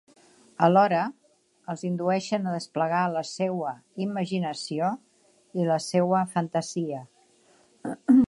Alhora, els indueixen a desplegar la seua imaginació i la seua fantasia.